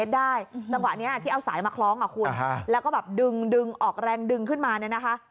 ได้จังหวะนี้ที่เอาสายมาคล้องอ่ะคุณแล้วก็แบบดึงดึงออกแรงดึงขึ้นมาเนี่ยนะคะ